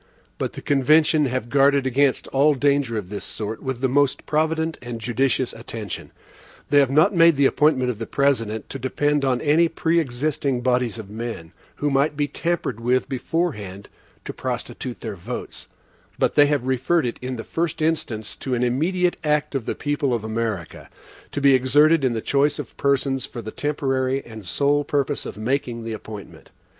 But the convention have guarded against all danger of this sort, with the most provident and judicious attention. They have not made the appointment of the President to depend on any preexisting bodies of men, who might be tampered with beforehand to prostitute their votes; but they have referred it in the first instance to an immediate act of the people of America, to be exerted in the choice of persons for the temporary and sole purpose of making the appointment.